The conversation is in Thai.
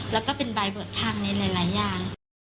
แล้วก็เป็นใบเบิกทางในหลายอย่าง